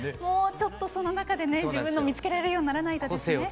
もうちょっとその中でね自分のを見つけられるようにならないとですね。